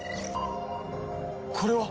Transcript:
これは！？